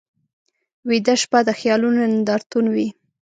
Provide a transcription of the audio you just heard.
ویده شپه د خیالونو نندارتون وي